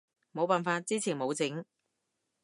冇辦法，之前冇整